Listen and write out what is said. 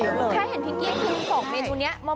แค่เห็นพิกเกียร์คืนศพในตัวนี้